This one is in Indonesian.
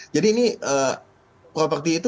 jadi ini properti itu